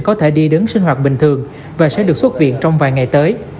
có thể đi đứng sinh hoạt bình thường và sẽ được xuất viện trong vài ngày tới